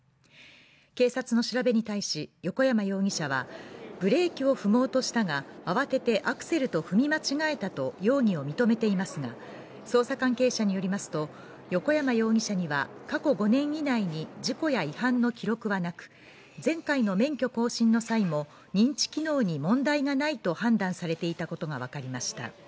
警察の調べに対し横山容疑者はブレーキを踏もうとしたが慌ててアクセルと踏み間違えたと容疑を認めていますが捜査関係者によりますと横山容疑者には過去５年以内に事故や違反の記録はなく前回の免許更新の際も認知機能に問題がないと判断されていたことが分かりました